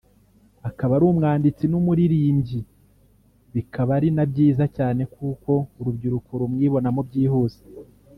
akaba ari umwanditsi n’umuririmbyi bikaba ari na byiza cyane kuko urubyiruko rumwibonamo byihuse